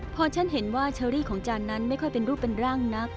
พอฉันเห็นว่าเชอรี่ของจานนั้นไม่ค่อยเป็นรูปเป็นร่างนัก